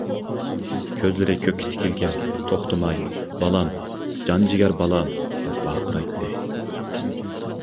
كۆزلىرى كۆككە تىكىلگەن، توختىماي «بالام، جانجىگەر بالام! » دەپ ۋارقىرايتتى.